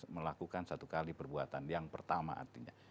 melakukan satu kali perbuatan yang pertama artinya